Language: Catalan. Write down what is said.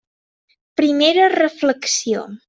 Primera reflexió.